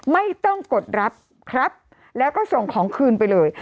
ไม่ต้องกดรับครับแล้วก็ส่งของคืนไปเลย